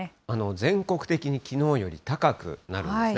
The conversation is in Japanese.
全国的にきのうより高くなるんですね。